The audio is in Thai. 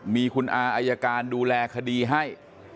มีคุณอาอายการดูแลคดีให้